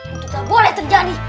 itu tak boleh terjadi